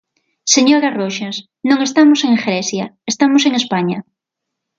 Señora Roxas, non estamos en Grecia, estamos en España.